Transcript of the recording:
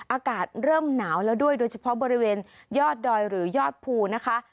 อากาศเริ่มหนาวแล้วด้วยโดยเฉพาะบริเวณยอดดอยหรือยอดภูนะคะ